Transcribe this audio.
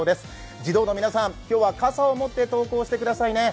児童の皆さん、今日は傘を持って登校してくださいね。